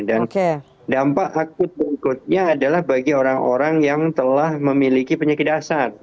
dan dampak akut berikutnya adalah bagi orang orang yang telah memiliki penyakit dasar